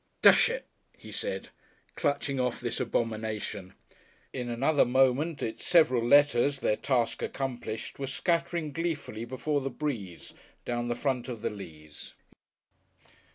"Desh it!" he said, clutching off this abomination. In another moment its several letters, their task accomplished, were scattering gleefully before the breeze down the front of the Leas.